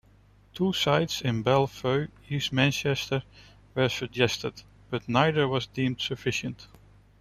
Two sites in Belle Vue, East Manchester were suggested, but neither was deemed sufficient.